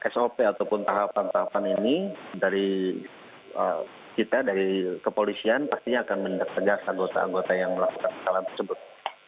sop ataupun tahapan tahapan ini dari kita dari kepolisian pastinya akan mendetegas anggota anggota yang melakukan kesalahan tersebut